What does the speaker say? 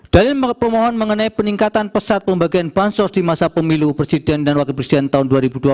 dalil pemohon mengenai peningkatan pesat pembagian bansos di masa pemilu presiden dan wakil presiden tahun dua ribu dua puluh empat